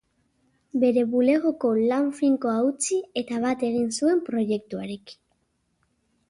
Bere bulegoko lan finkoa utzi eta bat egin zuen proiektuarekin.